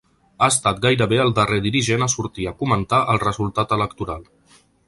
Ha estat gairebé el darrer dirigent a sortir a comentar el resultat electoral.